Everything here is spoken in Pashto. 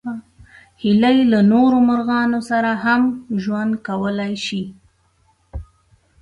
هیلۍ له نورو مرغانو سره هم ژوند کولی شي